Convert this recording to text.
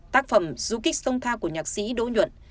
tác phẩm du kích sông thao của nhạc sĩ đỗ nhuận